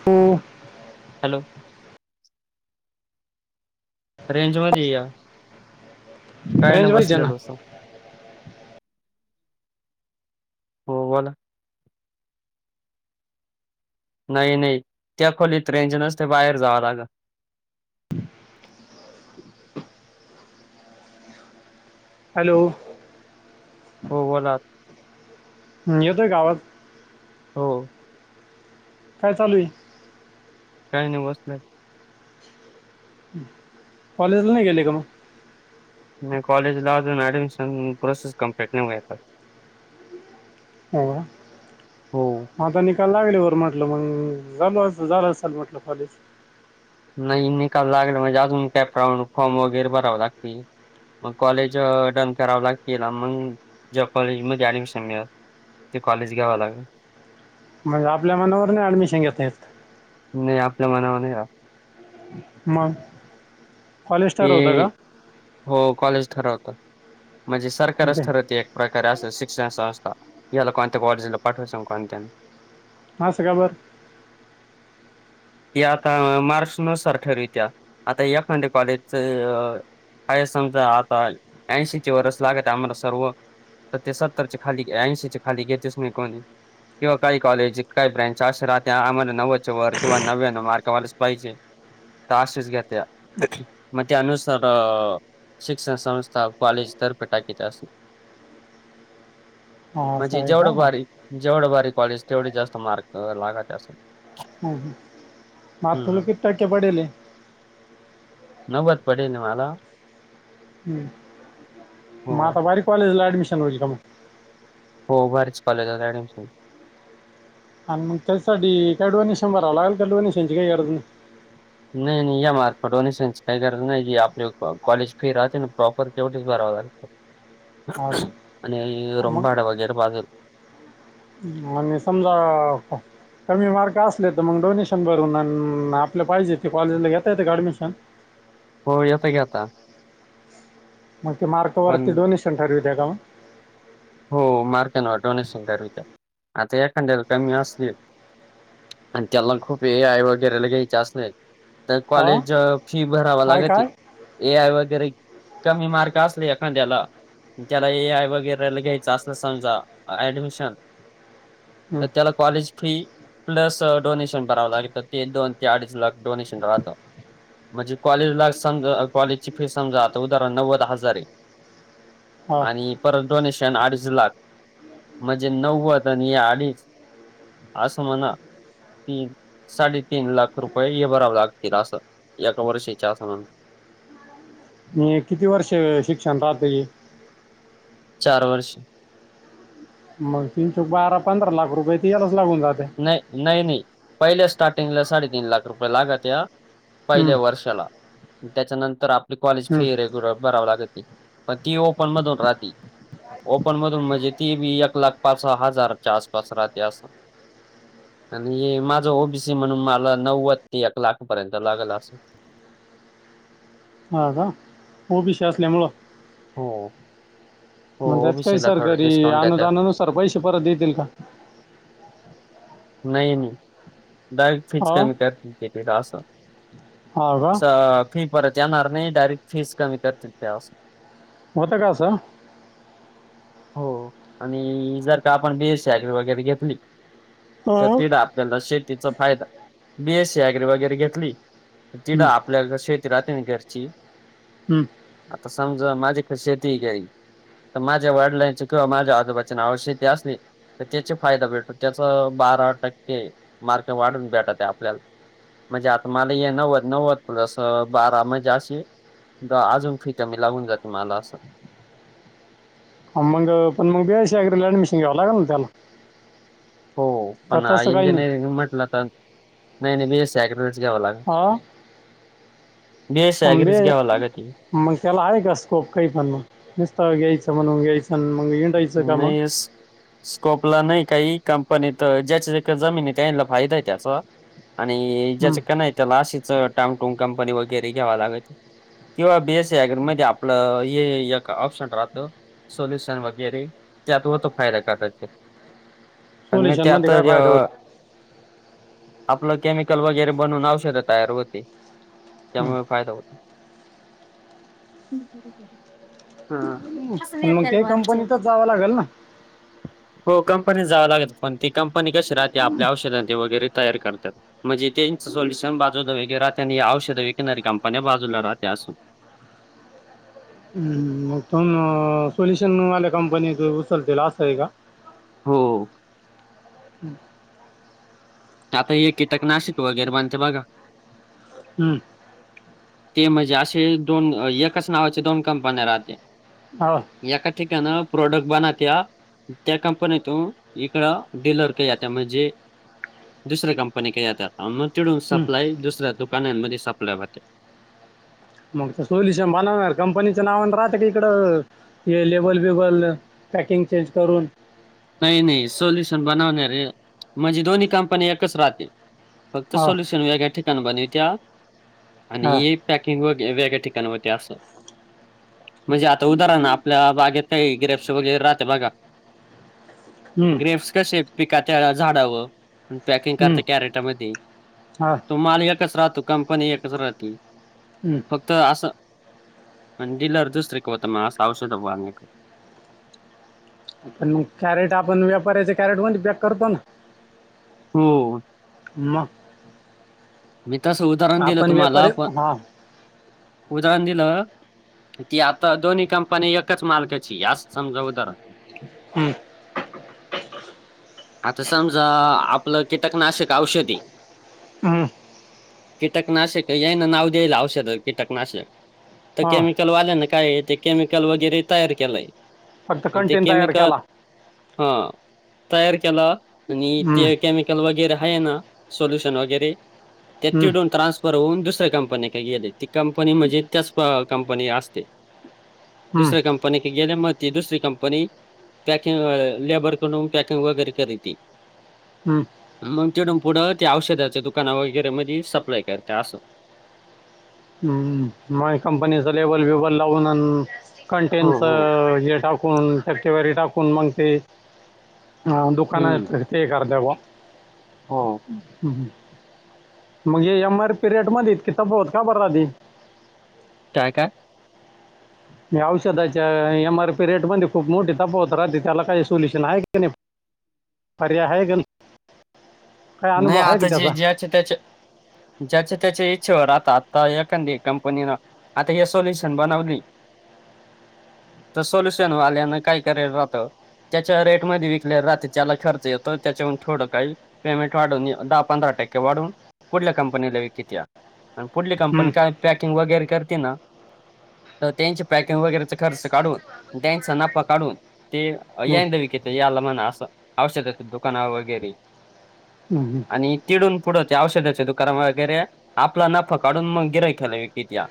हो hello range मध्ये या काय ना रेंज पाहिजे बसलेलो अस हो बला नाही नाही ते आखोलीत्रेंज नसते बाहेर जाला ग [inaudible] हॅलो हो बोला ह् येतोय गवाात हो काय चालू आहे काही नाही बसलं कॉलेजला नाही गेले का मग म कॉलेज ला त ना ॲडमिशन प्रोसेस कमप्लीट नाही होया हो हता न लागलीवरर म्हटलं मग ज झालं असल म्हटलंच नाही निकाल लागला म्हणजे अजून कॅपराऊ फॉर्म वगैरे भरावं लागतील मग कॉलेज डन कराव लागते मग ज कॉलेज मध्ये आली स मि ते कॉलेज घ्यावं लागल म्हणजे आपल्या मनावर नाही ऍडमिशन घेत येत नाही आपल्या मनावर नाही मग कॉलेज ते ठरवतं का हो कॉलेज ठरवत म्हणजे सरकारच ते ठरवते प्रकार अस शिक्षण संस्थ याला कोणते कॉलेजीला पाठवा कोणत ह स खबर ती आता मारक नुसार ठरलीत्या आता एखंडे कॉलेजच अ समजा आता ऐंशी ची वरष लागत आम्हाला सर्व तर ते सत्तर खाली ऐंशी खाली घेतच म कोणी किंवा काही कॉलेज काही ब्रँच असे राहत आम्हाला नव्दचे वर्ग- किंवा नव्यान मार्कावालाच पाहिजे तासज घत मे त्या अनुसर शिक्षण संस्था कॉलेज दर्फे टाकीे जा अस [inaudible] असं म्हणजे आहे जेवढ का हं, बारी जेवढ बारी कॉलेज तेवढी जास्त मार्क लागाात असून हो मातलं कती टक्या पडले नवबत पडेल मला हो म तर भारी कॉलेजला अॲडमिशन होईल का म हो भारीच कॉलेजात ऍडमिशन आणि मग त्यासाठी कडवा निशंभरावं लागेल कडव निशांची काही गरज नाही नाहीय नाही या मारका पण टेनेशन काय गरज आप कॉलेज फी राहचे प्रॉपर केवढ हा आणि का मग रम्बा आड व घैर पाज आणि समजा कमी मार्क असले तर मग डोनेशन भरून आपलं पाहिजे ते कॉलेजला घेता येते का ऍडमिशन हो येतं की आता मग ते पण मार्कवरती डोनेशन ठरवीती का मग हो मार्कनवर डोनेशन ठरवू त्या आता एखाद्याला कमी असतील आणि त्यांना खूप ए आय वगैरेला घ्यायचे असले तर हा कॉलेज फी भरावा काय लागत काय ए आय वगैरे कमी मार्क असले एखाद्याला त्याला ए आय वगैरे ग्याच असेल असमाज ऍडमिशन हं. तेला कॉलेज फ्री प्लस डोनेशन भरावं लागतं ते दोन ते अडीच लाख डोनेशन राहतं म्हणजे कॉलेजला समज कॉलेजची फी समजा आता उदाहरण नव्वद हजारे हा आणि पर डोनेशन अडीच लाख, म्हणजे नव्वद आणि अडीच आ समाना तीन साडेतीीन लाख रुपये हे भरावे लागतील, असं एका वर्षीच्या म्ह म किती वर्ष शिक्षण राहते. चार वर्ष. मग तिनचौक बारा पंधरा लाख रुपये त नाही नाही नाही पहिल्या स्टार्टिंगला साडेतीीन लाख रुपये लागत या. हं, पहिल्या वर्षाला त्याच्यानंतर आपली कॉलेज हं. फी रेग्युलर भराव लागेते. पती ओपन मधून राहाती. ओपन मधून म्हणजे ती बी एक लाख पाच स हजारच्या आसपास राहते असं. ह आणि माझं ओबीसी म्हणून मला नव्वद ते एक लाख पर्यंत लागेल असं. हा का ओ बी शी असल्या मुळ हो. हो मग त्यात काही ओबीसीला सर थोडं करी डिस्काउंट देत्या अनुदाननुसार पैसे परत देतील का नाही मी डायरेक्ट फिच हा का म करतला असं. हा का फी परत येणार नाही डायरेक्ट फीज कमी करतील त्यावस होता कासां हो आणि जर का आपण बी स सी ऍग्री वगैरे घेतली. तर हां तिड आपल्याला शेतीचा फायदा बी एस सी ऍग्री वगैरे घेतली. तिड हं, आपल्याला शेती राहते ना घरची हम्म. आता समजा माझी पण शेती घई तर माझ्या वडिलांचे किंवा माझ्या आजोबाच्या नावाने शेती असली तर त्याचे फायदा भेटतो त्या बारा टक्के मार्क वाढून भेटत आपल्याला म्हणजे आता मला हे नव्वद नव्वद प्लस बारा म्हणजे अशी ग अजून फी कमी लागून जाते मला असं. हा मग पण मग बी एस शी ऍग्री ला ऍडमिशन घ्यावं लागल ना त्याला हो का पण तसं काही नाही इंजिनिअरिंग म्हटलं तर नाही नाही, बी एस सी ऍग्रीलाच हा. बीएससी अंबे ऍग्रीच घ्यावं लागत मग त्याला आहे का स्कोप काही पण मग नुसता घ्यायच. म्हणून घ्यायचं, न मग हिंडायचं का मग नाही स स्कोपला नाही काही कंपनीत ज्याच्या इथ जमीन आहे, त्याला फायदा आहे त्याचा आणि हं. ज्याचं का नाही त्याला अशीच टाम टूंग कंपनी वगैरे घ्यावा लागते. किंवा बीएसी ऍग्री मध्ये आपलं हे एक ऑप्शन राहत, सोल्युशन वग वगैरे त्यात होतो फायदा कदाचित आणि नाही ते सोल्युशनमध्ये आता काय ज फायदा होतो आपलं केमिकल वगैरे बनवून औषधं तयार होते हं. त्यामुळे फायदा होत. हा पण मग तेही कंपनीतच जावं लागल ना. हो कंपनी जावं लागत पण ती कंपनी कशी राहते. आपल्या औषध न ते वगैरे तयार करतात. म्हणजे त्याच सोल्युशन बाजूला वेगळं राहत, आणि औषध विकणारी कंपन्या बाजूला राहत्या अस हम्म. मग तोन सोल्युशन वाल्या कंपनीच उचलतील असं आहे का. हो. आता हे कीटक नाशक वगैर बनत्या बघा. हं. ते म्हणजे असे दोन एकच नावाचे दोन कंपन्या राहत्या. हाव तीकन प्रोडक्ट बनात्या त्या कंपनीतून, इकड डीलर क येत्या म्हणजे दुसऱ्या कंपनी क येत्या, आन मग तिडून हं. सप्लाय दुसऱ्या दुकानांमध्ये सप्लाय व्हत्या. मग ते सोल्युशन बनवणार, कंपनीच्या नावान राहत का इकडं हे लेबल बिबल? पॅकिंग चेंज करून नाही नाही, सोल्युशन बनवणारे म्हणजे दोन्ही कंपनी एकच राहती. फक्त हा सोल्युशन वेगळ्या ठिकाण बनवित्या आणि हा हे पॅकिंग वगैरे वेगळ्या ठि ठिकाणी होत्या आसं. म्हणजे आता उदाहरण, आपल्या बागेतही ग्रेप्स वगैरे राहते बघा. हं, ग्रेप्स कशे पिकात्या झाडावर आन पॅकिंग करता हं, कॅरेटामधी, हा तो माल एकच राहतो कंपनी एकच राहती हम्म. फक्त आसं. आणि डिलर दुसरीक होता मा, आसा औषध फवारणी क पण मग, कॅरेट आपण व्यापाराच्या कॅरेट मधी पॅक करतो ना. हो. म. मी तस उदाहरण दिलं तुम्हाला पन हा उदाहरण दिलं की ती आता, दोन्ही कंपनी एकच मालकाची ए अस समजा उदाहरण हम्म. आता समजा, आपलं कीटकनाशक औषध ए हम्म. कीटकनाशक याना नाव द्यायला, औषधं कीटकनाश तर हा केमिकल वाल्या न काय ते, केमिकल वगैरे तयार केलंय फक्त आणि ते कंटेन तयार केमिकल केला. हा तयार केला आणि हम्म. ते केमिकल वगैरा आहे ना सोल्युशन वगैरे त्यात हम्म. चिडवून ट्रान्सफर होऊन दसत कंपनी का ये ती कंपनी म्हणजे त्याच प कंपनी असते. हम्म. दुसऱ्या कंपनी क गेले मती दुसरी कंपनी पॅकिंग लेबरकडून पॅकिंग वगैरे करिते. हम्म! मग तेतूनन पुढं त्या औषधाच्या दुकाना वगैरे मध्ये सप्लाय करत असं हम्म माई कंपनीचं लेबल बेबल लावून हो, हो. कंटेनचं हे टाकून, टक्केवारी टाकून मंगते हा दुकाना हं. ते कर दव हो. मग एम आर पीरिड मध्ये इतकी तफावत? का बरलादी? काय काय? म औषधाच्या एम-आर-पी रेट मध्ये खूप मोठी तफावत राहते त्याला काही सोल्युशन आहे की नाही? परर्या हाय गल. नाही आता जे ज्याचे त्याच्या ज्याचे त्याच्या इच्छेवर आता आता एखादी कंपनीन आता हे सॉल्युशन बनवलीय. [unintelligible] तर सोल्युशन वाल्यान काय करायल राहतं? त्याच्या रेटमध्ये विकले राहते त्याला खर्च येतो त्याच्यावरून थोडं काही पेमेंट वाढून दहा पंधरा टक्के वाढून पुढल्या कंपनीला विकती या. आणि पुढली हम्म, कंपनी काय पॅकिंग वगैरे करती ना तर त्यांची पॅकिंग वगैरेचा खर्च काढून त्यांचा नफा काढून ते [unintelligible] हम्म, विकते याला म्हणा असं औषधाचं दुकान वगैरे. हम हम. आणि तिकडून पुढं त्या औषधाचे दुकान वगैरे आपला नफा काढून मग गिरायकाला विकत्या.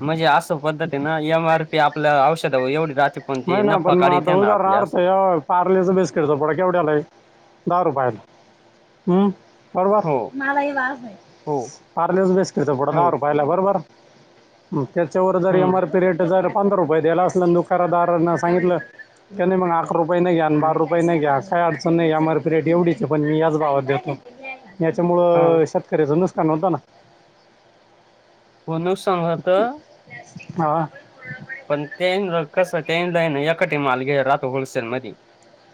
म्हणजे असं पद्धती ना एम आर पी आपल्या औषध एवढी रा नाही ना पण मग आता उदाहरणार्थ आहे पार्लेच बिस्किटचा पुढा केवढ्याला आहे दहा रुपयाला बरोबर हो म हो पारलेच बिस्कीटचा हो पुढा रुपयाला आहे बरोबर त्याच्यावर जर M hmm R P rate पंधरा रुपये द्यायला असला दुकानदार सांगितलं त्या नाही मग आठ रुपये घ्या आणि हम्म, बारा रुपये घ्या काय अडचण नाही एम आर पि रेट एवढीच पण मी याच भावात देतो हा याच्यामुळ शेतकऱ्याचं नुसतं नव्हताना हो नुकसान होत हा पण त्या कस त्या एकाट माल घे राहतो होलसेल मध्ये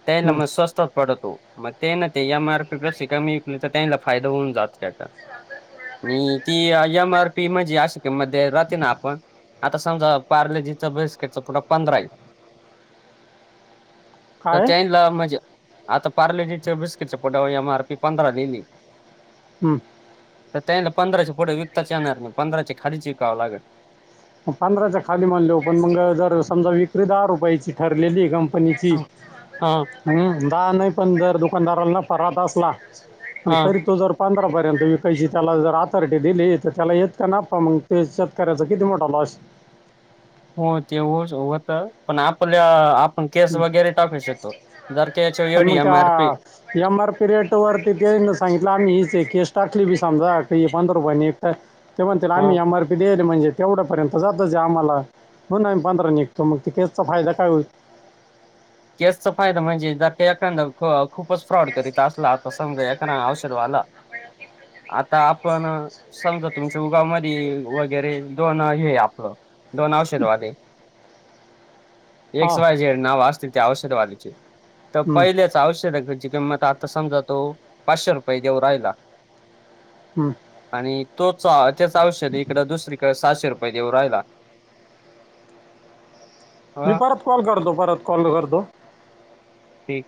त्याला हम्म, म स्वस्त पडतो मग ते ना ते एमआरपी पेक्षा कमी विकली तर त्यांला फायदा होऊन जात त्या आणि ती एम आर पी म्हणजे आशिके मध्ये राहते ना आपण आता समजा पार्लेजीच बिस्केटच पुडा पंधरा आहे तर काय त्या ला मजा आता पार्लेजीच्या बिस्किटच्या पोटवर एम आर पी पंधरा दिली. हम्म तर त्याला पंधराचे पुढ विकताच येणार नाही पंधराची खालिच विकावं लागल पंधराच्या खाली मानले पण मग जर समजा विक्री दहा रुपयाची ठरलेली का पण हिची हा हम्म दहा नाही पण दर दुकानदारांना परात असला हो हा तरी तो जर पंधरापर्यंती विकायची त्याला जर ऑथॉरिटी दिली तर त्याला येत का ना प मग ते शेतक्याचं किती मोठा तलाश हो ते होश व्हत पण आपल्या आपण केस वगैरे टाकू शकतो. जर का याच्यावर पण एवढी मग एम आर पी त्या एम आर पी रेट वरती त्यांन सांगितलं आम्ही ही जी केस टाकली बी समजा की हे पंधरवानी ईकताय ते म्हणतेल हा आम्ही एम आर पी दे म्हणजे तेवढ्या पर्यंत जातचे आम्हाला पंधरा निघतो मग केसचा फायदा काय होईल? केसचा फायदा म्हणजे ज एखांद ख खूपच फ्रॉड करीत असला त समजा एखाद्या औषध वाल [unintelligible] आता आपण संग तुमच्या उगाव मदी वगैरे दोन हे आपलं दोन औषधवादी. एक्स हां वाय झेड नाव असतील ते औषधवालीचे तर हं. पहिलेच औषध किंमत आता समजा तो पाचशे रुपये देऊ राहिला हं. आणि तोच त्याच औषध इकडं दुसरीक सहाशे रुपेये देऊ राहिला [unintelligible] मी ह परत कॉल करतो, परत कॉल करतो. ठिक